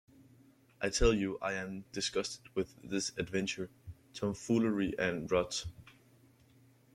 I tell you I am disgusted with this adventure tomfoolery and rot.